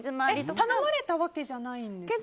頼まれたわけじゃないですよね。